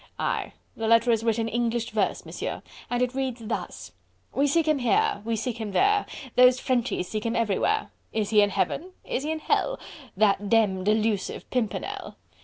Aye! the letter is writ in English verse, Monsieur, and it reads thus: "We seek him here! we seek him there! Those Frenchies seek him everywhere! Is he in heaven? is he in hell? That demmed elusive Pimpernel?